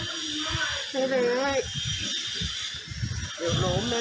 สวัสดีสวัสดี